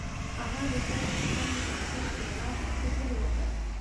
هغه د خوب پر څنډه ساکت ولاړ او فکر وکړ.